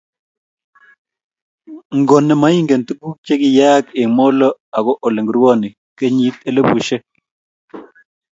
ngo nemaingen tuguk chegiyeyak eng Molo ako olengumone kenyit elbushek